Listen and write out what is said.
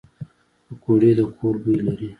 پکورې د کور بوی لري